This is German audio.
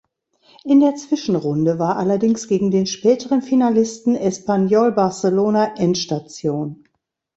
In der Zwischenrunde war allerdings gegen den späteren Finalisten Espanyol Barcelona Endstation.